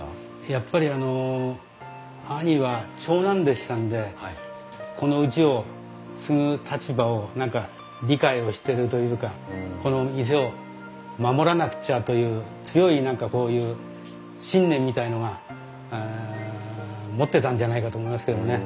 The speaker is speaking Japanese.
やっぱり兄は長男でしたんでこのうちを継ぐ立場を何か理解をしてるというかこの店を守らなくちゃという強い何かこういう信念みたいのが持ってたんじゃないかと思いますけどもね。